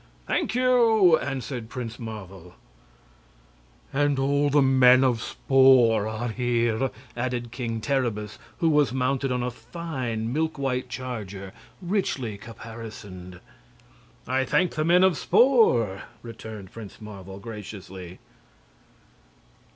"Thank you," answered Prince Marvel. "And the men of Spor are here!" added King Terribus, who was mounted on a fine milk white charger, richly caparisoned. "I thank the men of Spor," returned Prince Marvel, graciously.